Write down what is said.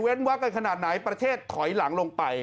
วักกันขนาดไหนประเทศถอยหลังลงไป